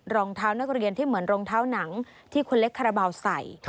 รองเท้านักเรียนที่เหมือนรองเท้าหนังที่คนเล็กคาราบาลใส่